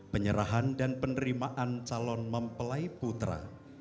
penyerahan dan penerimaan calon mempelai putra